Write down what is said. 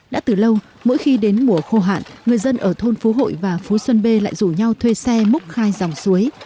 đã từ lâu mỗi khi đến mùa khô hạn người dân ở thôn phú hội và phú xuân b lại rủ nhau thuê xe múc hai dòng suối